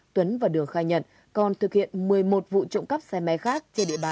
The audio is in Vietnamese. tuấn và đường khai nhận còn thực hiện một mươi một vụ trộm cắp xe máy khác